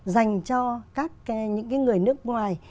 dành cho các những người nước ngoài